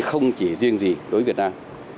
không chỉ riêng gì đối với việt nam